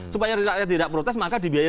supaya rakyat tidak protes maka dibiayai